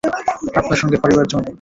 আপনার সঙ্গে পারিবার জো নাই।